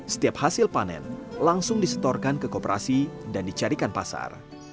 setiap hasil panen langsung disetorkan ke kooperasi dan dicarikan pasar